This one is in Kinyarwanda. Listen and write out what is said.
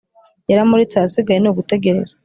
Yaramuretse ahasigaye nugutegereza